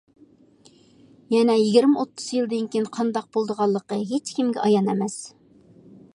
يەنە يىگىرمە-ئوتتۇز يىلدىن كېيىن قانداق بولىدىغانلىقى ھېچ كىمگە ئايان ئەمەس.